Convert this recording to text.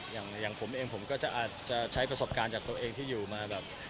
อย่างผมเองผมก็จะอาจจะใช้ประสบการณ์จากตัวเองที่อยู่มาแบบ